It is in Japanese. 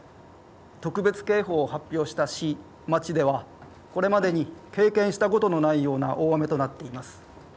特別警報を発表した市、町ではこれまでに経験したことのないような大雨となっています。